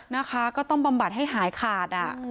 นะคะก็ต้องบำบัดให้หายขาด